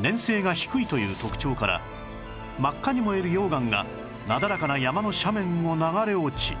粘性が低いという特徴から真っ赤に燃える溶岩がなだらかな山の斜面を流れ落ち